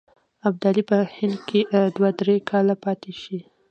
ابدالي په هند کې دوه درې کاله پاته شي.